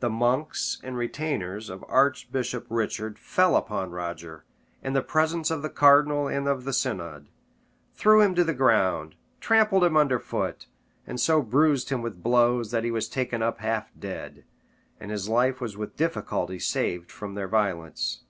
The monks and retainers of Archbishop Richard fell upon Roger, in the presence of the cardinal and of the synod, threw him to the ground, trampled him under foot, and so bruised him with blows, that he was taken up half dead, and his life was with difficulty saved from their violence.